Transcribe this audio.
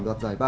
đoạt giải ba